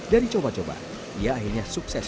dari coba coba dia akhirnya sukses